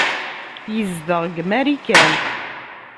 Yezdeɣ deg Marikan.